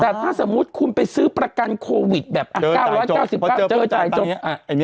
แต่ถ้าสมมุติคุณไปซื้อประกันโควิดแบบ๙๙๙เจอจ่ายจบ